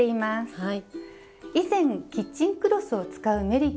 はい。